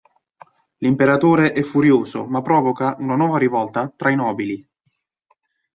L'imperatore è furioso ma provoca una nuova rivolta tra i nobili.